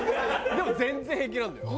でも全然平気なんだよ。